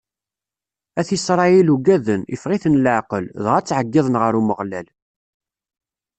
At Isṛayil ugaden, iffeɣ-iten leɛqel, dɣa ttɛeggiḍen ɣer Umeɣlal.